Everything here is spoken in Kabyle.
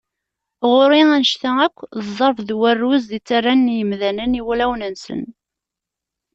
Ɣur-i anect-a akk d ẓẓerb d warruz i ttarran yimdanen i wulawen-nsen.